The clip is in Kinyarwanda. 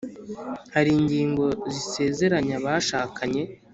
hari ingingo isezeranya abashakanye